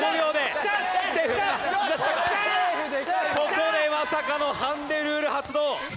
ここでまさかのハンデルール発動！